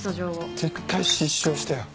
絶対失笑したよ。